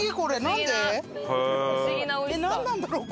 なんなんだろう？